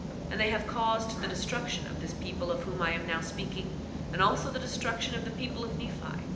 8:21 And they have caused the destruction of this people of whom I am now speaking, and also the destruction of the people of Nephi.